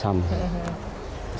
saya menjaga kursi kemarin